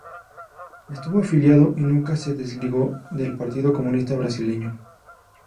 Estuvo afiliado y nunca se desligó del Partido Comunista Brasileño.